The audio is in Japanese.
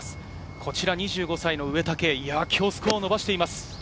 こちら２５歳の植竹、今日、スコアを伸ばしています。